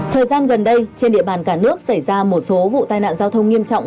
thời gian gần đây trên địa bàn cả nước xảy ra một số vụ tai nạn giao thông nghiêm trọng